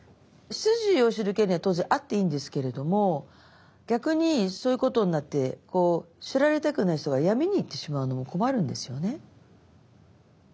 出自を知る権利は当然あっていいんですけれども逆にそういうことになって知られたくない人が闇にいってしまうのも困るんですよね。